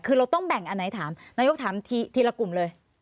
คือเราต้องแบ่งอันไหนถามนายกถามทีละกลุ่มเลย